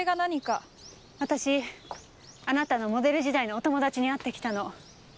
私あなたのモデル時代のお友達に会ってきたの。